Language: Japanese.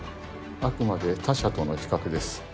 あくまで他者との比較です。